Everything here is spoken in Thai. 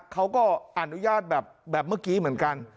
เขาก็อนุญาตแบบเมื่อกี้เหมือนกัน